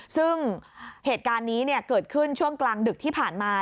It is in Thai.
ซึ่งเหตุการณ์นี้เกิดขึ้นช่วงกลางดึกที่ผ่านมา